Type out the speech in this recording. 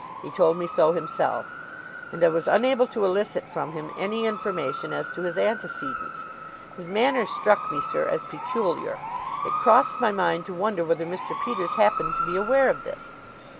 He told me so himself, and I was unable to elicit from him any information as to his antecedents. His manner struck me, sir, as peculiar. It crossed my mind to wonder whether Mr. Peters happened to be aware of this.